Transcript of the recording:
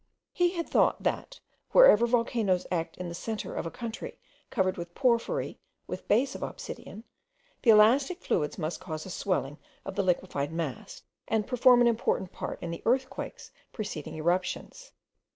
He had thought, that, wherever volcanoes act in the centre of a country covered with porphyry with base of obsidian, the elastic fluids must cause a swelling of the liquified mass, and perform an important part in the earthquakes preceding eruptions.